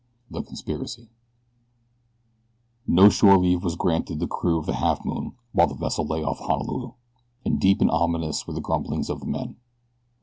THE CONSPIRACY NO SHORE leave was granted the crew of the Halfmoon while the vessel lay off Honolulu, and deep and ominous were the grumblings of the men.